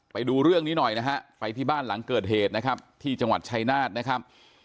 ไปดูเรื่องนี้หน่อยนะฮะไปที่บ้านหลังเกิดเหตุนะครับที่จังหวัดชายนาฏนะครับ